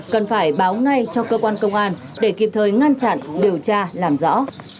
cần phải báo ngay cho cơ quan công an để kịp thời ngăn chặn điều tra làm rõ